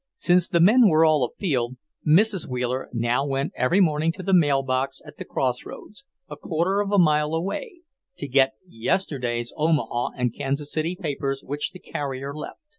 Since the men were all afield, Mrs. Wheeler now went every morning to the mailbox at the crossroads, a quarter of a mile away, to get yesterday's Omaha and Kansas City papers which the carrier left.